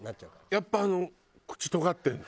やっぱ口とがってるの？